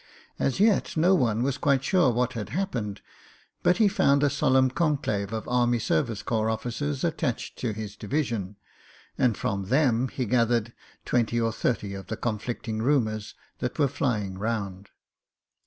As yet no one was quite sure what had happened; but he found a solemn conclave of Army Service Corps officers at tached to his division, and from them he gathered twenty or thirty of the conflicting rumours that were flying round.